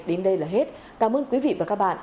đến đây là hết cảm ơn quý vị và các bạn